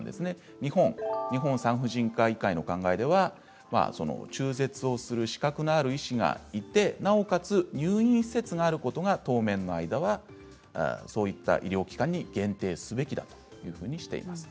日本は日本産婦人科医会の考えでは中絶をする資格がある医師がいてなおかつ入院施設があることが当面の間はそういった医療機関に限定すべきだというふうにしています。